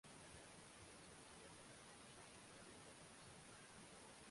Sifa kwa Yesu Bwanangu,